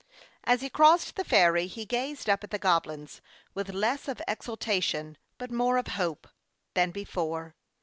As he crossed the ferry, he gazed up at the Goblins, with less of exultation, but more of hope, than before.